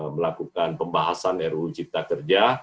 melakukan pembahasan ruu cipta kerja